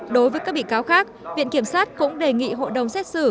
đối với các bị cáo khác viện kiểm sát cũng đề nghị hội đồng xét xử